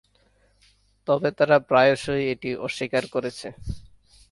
তবে তারা প্রায়শই এটি অস্বীকার করেছে।